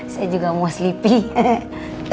saya juga muah sleepy